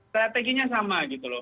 strateginya sama gitu loh